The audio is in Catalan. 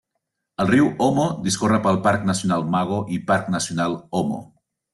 El riu Omo discorre pel Parc Nacional Mago i Parc Nacional Omo.